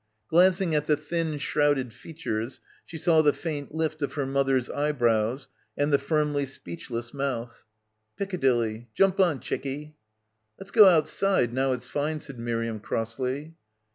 Glancing at the thin shrouded features she saw the faint lift of her mother's eyebrows and the firmly speechless mouth. "Piccadilly — jump on, chickie." "Let's go outside now it's fine," said Miriam crossly.